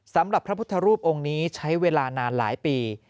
พระพุทธรูปองค์นี้ใช้เวลานานหลายปี